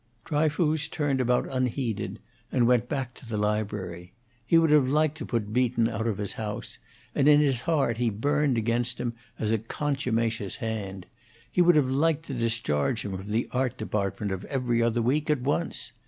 Dryfoos turned about unheeded and went back to the library. He would have liked to put Beaton out of his house, and in his heart he burned against him as a contumacious hand; he would have liked to discharge him from the art department of 'Every Other Week' at once.